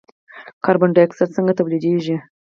کاربن ډای اکساید څنګه تولیدیږي.